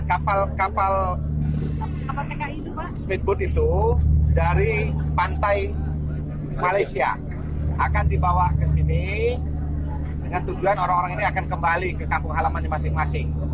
kapal kapal speedboat itu dari pantai malaysia akan dibawa ke sini dengan tujuan orang orang ini akan kembali ke kampung halamannya masing masing